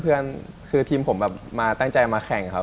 เพื่อนคือทีมผมแบบมาตั้งใจมาแข่งครับ